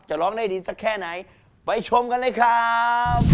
ร้องได้ดีสักแค่ไหนไปชมกันเลยครับ